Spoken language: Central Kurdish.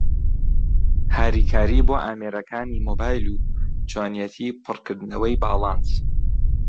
هاریکارى بۆ ئامێرەکانى مۆبایل و چۆنیەتى پڕکردنەوەى باڵانس